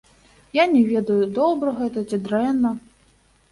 Я не ведаю, добра гэта ці дрэнна.